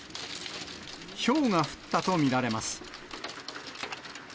ひょうが降ったと見られます。